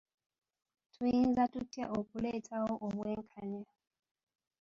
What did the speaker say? Tuyinza tutya okuleetawo obwenkanya?